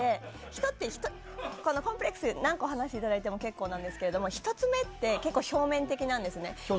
人って、コンプレックスを何個話していただいても結構なんですが、１つ目って結構、表面的なんですよ。